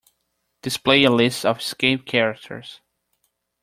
Display a list of escape characters.